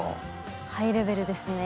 ハイレベルですね。